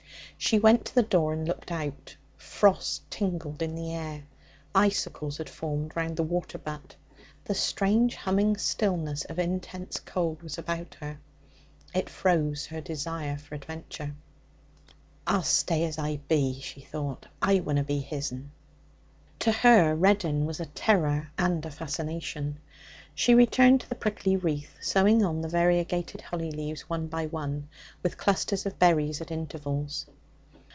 She went to the door and looked out. Frost tingled in the air; icicles had formed round the water butt; the strange humming stillness of intense cold was about her. It froze her desire for adventure. 'I'll stay as I be,' she thought. 'I wunna be his'n.' To her, Reddin was a terror and a fascination. She returned to the prickly wreath, sewing on the variegated holly leaves one by one, with clusters of berries at intervals.